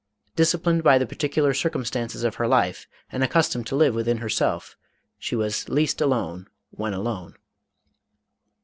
Disciplined by the peculiar circumstances of her life and accustomed to live within herself, she was least alone when alone.